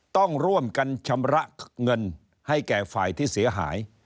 ต้องร่วมกันชำระเงินให้แก่ฝ่ายที่เสียหาย